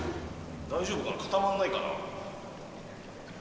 大丈夫かな、固まんないかな。